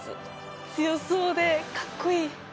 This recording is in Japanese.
強そうでかっこいい！